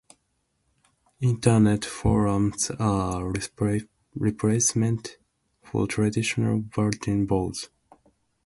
Internet forums are a replacement for traditional bulletin boards.